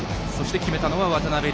決めたのは渡邊凌